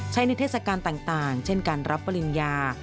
ในเทศกาลต่างเช่นการรับปริญญา